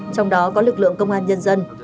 trong đó có lực lượng công an nhân dân